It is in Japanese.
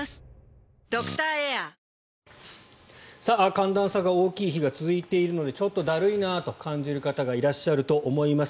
寒暖差が大きい日が続いているのでちょっとだるいなと感じる方がいらっしゃると思います。